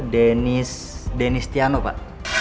denis denis tiano pak